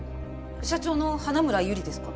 社長の花村友梨ですか？